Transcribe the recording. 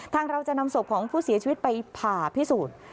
เราจะนำศพของผู้เสียชีวิตไปผ่าพิสูจน์